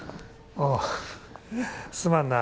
ああすまんな